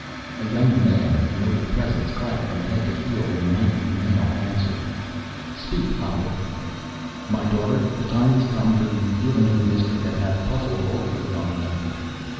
A young man of noble presence, clad from head to heel in knightly mail, answered: "Speak, father!" "My daughter, the time is come for the revealing of the mystery that hath puzzled all your young life.